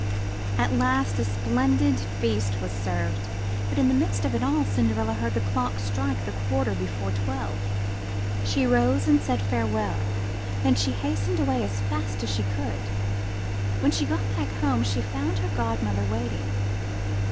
At last a splendid feast was served, but in the midst of it all, Cinderella heard the clock strike the quarter before twelve. She rose and said farewell. Then she hastened away as fast as she could. When she got back home, she found her godmother waiting.